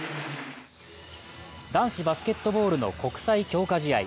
男子バスケットボールの国際強化試合。